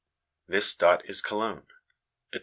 This dot is Cologne,' etc.